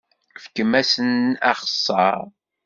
Fkem-asen axeṣṣar.